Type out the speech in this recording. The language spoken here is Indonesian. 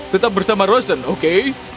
tetap bersama rosen oke